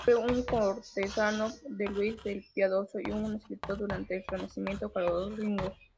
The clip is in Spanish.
Fue un cortesano de Luis el Piadoso y un escritor durante el renacimiento carolingio.